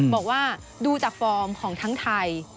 บอกว่าดูจากฟอร์มของทั้งไทย